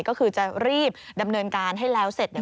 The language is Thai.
ก็คือจะรีบดำเนินการให้แล้วเสร็จเนี่ย